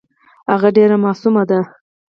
هغه ډېره معصومه ده .